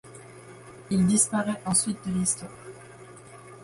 Il disparaît ensuite de l'histoire.